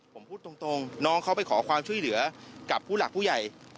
ผมพูดตรงน้องเขาไปขอความช่วยเหลือกับผู้หลักผู้ใหญ่